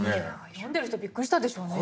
読んでる人びっくりしたでしょうね。